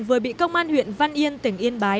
vừa bị công an huyện văn yên tỉnh yên bái